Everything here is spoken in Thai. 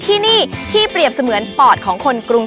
ดิฉันใบตองรัชตวรรณโธชนุกรุณค่ะ